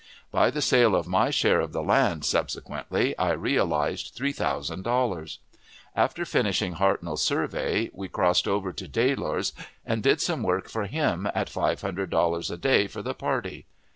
By the sale of my share of the land, subsequently, I realized three thousand dollars. After finishing Hartnell's survey, we crossed over to Dailor's, and did some work for him at five hundred dollars a day for the party.